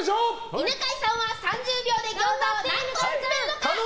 犬飼さんは３０秒で餃子を何個包めるのか。